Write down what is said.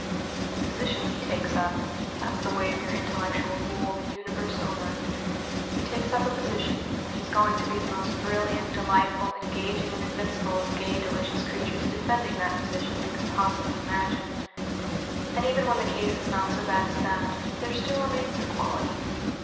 The position he takes up! That's the way of your intellectual fool, the Universe over. He takes up a position, and he's going to be the most brilliant, delightful, engaging and invincible of gay delicious creatures defending that position you can possibly imagine. And even when the case is not so bad as that, there still remains the quality.